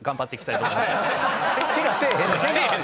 ケガせえへんねん。